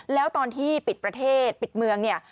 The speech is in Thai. แล้วตอนที่ปิดประเทศปิดเมืองเนี่ย